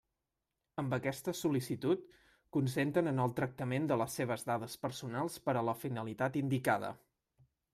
Amb aquesta sol·licitud consenten en el tractament de les seves dades personals per a la finalitat indicada.